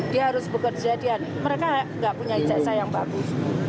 dia harus bekerja di hadian mereka tidak punya ijasa yang berbeda